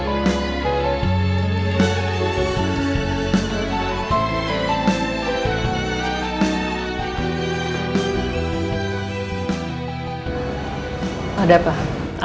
oh udah pak